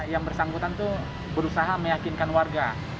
yang bersangkutan itu berusaha meyakinkan warga